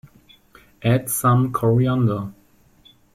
Add some coriander.